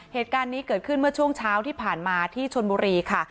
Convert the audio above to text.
เหตุการณ์นี้เกิดขึ้นเมื่อช่วงเช้าที่ผ่านมาที่ชนบุรีค่ะ